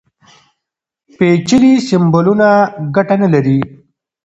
پېچلي سمبولونه ګټه نه لري.